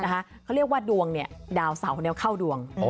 เขาเรียกว่าดวงเนี่ยดาวเสาร์แนวเข้าดวง